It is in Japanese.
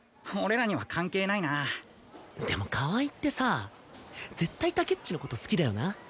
俺らには関係ないなでも河合ってさ絶対竹っちの事好きだよな。